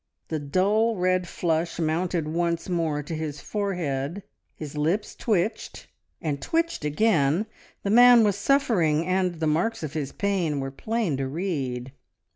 The dull red flush mounted once more to his forehead, his lips twitched, and twitched again. The man was suffering, and the marks of his pain were plain to read.